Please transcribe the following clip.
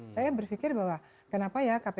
saya berpikir bahwa kenapa ya kpk